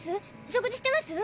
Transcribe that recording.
食事してます？